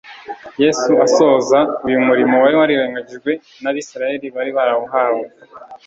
Yesu asohoza uyu murimo wari warirengagijwe n'abisiraeli bari barawuhawe.